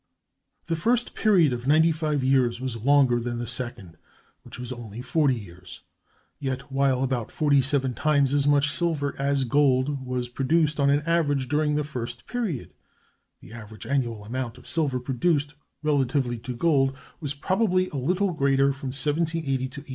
The first period of ninety five years was longer than the second, which was only forty years; yet while about forty seven times as much silver as gold was produced on an average during the first period, the average annual amount of silver produced relatively to gold was probably a little greater from 1780 to 1820.